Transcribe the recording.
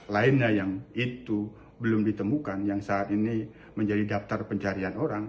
lainnya yang itu belum ditemukan yang saat ini menjadi daftar pencarian orang